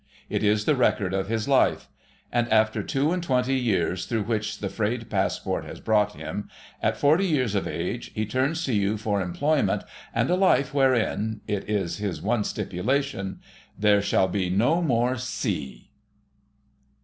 It is the record of his life: and after two and twenty years through which the frayed passport has brought him, at forty years of age, he turns to you for employment and a life wherein (it is his one stipulation) "there shall be no more sea."